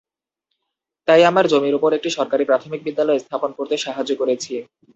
তাই আমার জমির ওপর একটি সরকারি প্রাথমিক বিদ্যালয় স্থাপন করতে সাহায্য করেছি।